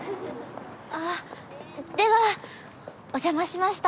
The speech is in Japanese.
あっではおじゃましました。